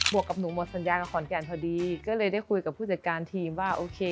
วกกับหนูหมดสัญญากับขอนแก่นพอดีก็เลยได้คุยกับผู้จัดการทีมว่าโอเค